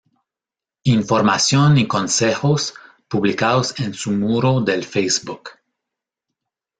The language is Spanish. Información y consejos publicados en su muro del Facebook.